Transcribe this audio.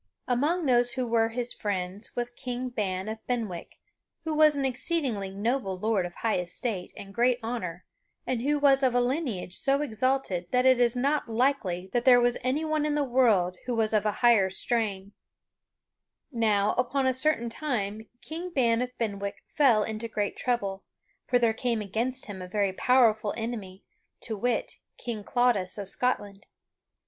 Among those who were his friends was King Ban of Benwick, who was an exceedingly noble lord of high estate and great honor, and who was of a lineage so exalted that it is not likely that there was anyone in the world who was of a higher strain. [Sidenote: Of King Ban and his misfortunes] Now, upon a certain time, King Ban of Benwick fell into great trouble; for there came against him a very powerful enemy, to wit, King Claudas of Scotland.